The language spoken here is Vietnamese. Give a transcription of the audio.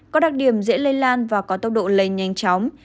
có đặc điểm dễ lây lan và có tốc độ lây nhanh chóng